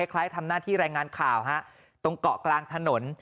ทำหน้าที่รายงานข่าวตรงเกาะกลางถนน